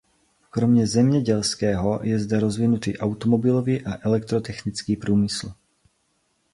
Kromě zemědělského je zde rozvinut i automobilový a elektrotechnický průmysl.